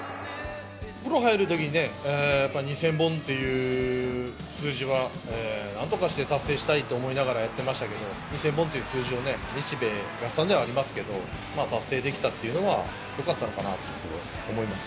プロ入るときにね、やっぱり２０００本っていう数字は、なんとかして達成したいと思ってやってましたけど、２０００本っていう数字をね、日米合算ではありますけれども、達成できたっていうのは、よかっ